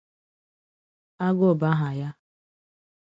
Agụụ bụ aha ya